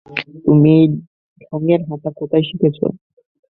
তুমি এই ঢংয়ের হাটা কোথায় শিখেছ?